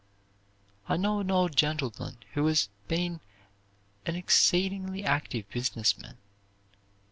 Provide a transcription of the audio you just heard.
I know an old gentleman who has been an exceedingly active business man.